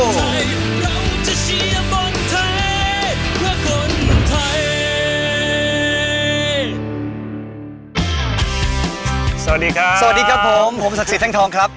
สวัสดีครับสวัสดีครับผมผมศักษีแต้งทองครับ